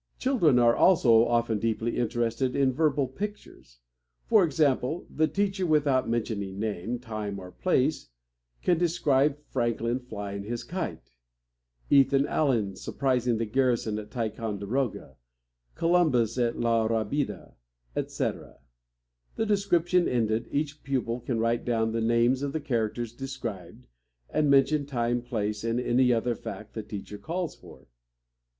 Children are also often deeply interested in verbal pictures. For example, the teacher, without mentioning name, time, or place, can describe Franklin flying his kite, Ethan Allen surprising the garrison at Ticonderoga, Columbus at La Rabida, etc. The description ended, each pupil can write down the names of the characters described, and mention time, place, and any other fact the teacher calls for.